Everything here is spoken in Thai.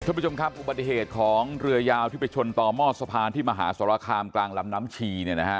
ท่านผู้ชมครับอุบัติเหตุของเรือยาวที่ไปชนต่อมอดสะพานที่มหาสรคามกลางลำน้ำชี